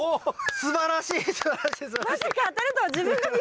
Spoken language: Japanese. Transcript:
すばらしい。